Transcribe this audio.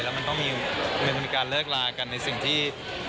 แล้วมันต้องมีการเลิกลากันในสิ่งที่